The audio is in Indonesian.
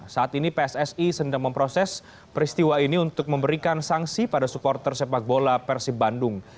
saat ini pssi sedang memproses peristiwa ini untuk memberikan sanksi pada supporter sepak bola persib bandung